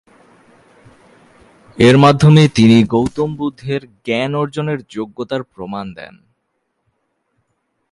এর মাধ্যমে তিনি গৌতম বুদ্ধের জ্ঞান অর্জনের যোগ্যতার প্রমাণ দেন।